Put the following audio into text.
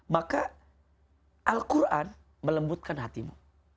maka al quran melembutkan hatimu